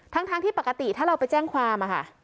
ทั้งที่ปกติถ้าเราไปแจ้งความค่ะ